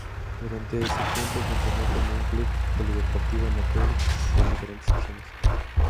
Durante ese tiempo funcionó como un club polideportivo amateur con diferentes secciones.